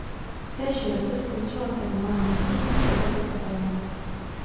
V též roce skončila sedmá na mistrovství Evropy v Athénách.